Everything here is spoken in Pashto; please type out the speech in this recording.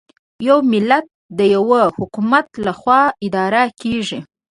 یو ملت د یوه حکومت له خوا اداره کېږي.